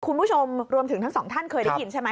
คุณผู้ชมรวมถึงทั้งสองท่านเคยได้ยินใช่ไหม